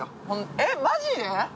えっマジで！？